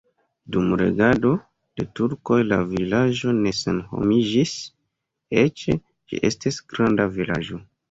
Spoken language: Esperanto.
Dum regado de turkoj la vilaĝo ne senhomiĝis, eĉ ĝi estis granda vilaĝo.